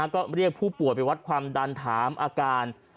ก็เรียกผู้ป่วยไปวัดความดันถามอาการ